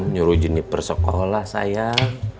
nyuruh jenip persekolah sayang